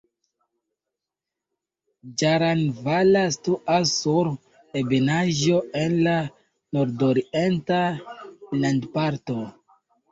Ĝaranvala situas sur ebenaĵo en la nordorienta landparto.